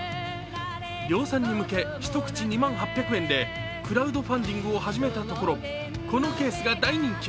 量産に向け、一口２万８００円でクラウドファンディングを始めたところこのケースが大人気。